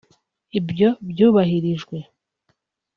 Ibyo byubahirijwe